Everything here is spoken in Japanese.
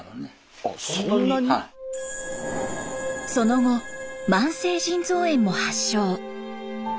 その後慢性腎臓炎も発症。